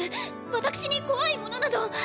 私に怖いものなど。